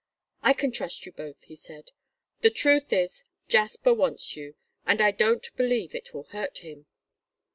"I can trust you both," he said. "The truth is, Jasper wants you, and I don't believe it will hurt him."